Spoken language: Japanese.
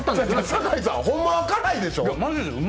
酒井さんほんまは辛いでしょ！